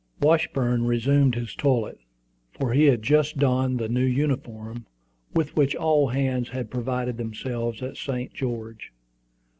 Washburn resumed his toilet, for he had just donned the new uniform, with which all hands had provided themselves at St. George.